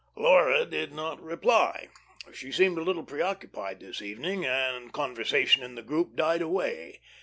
Laura did not reply. She seemed a little preoccupied this evening, and conversation in the group died away.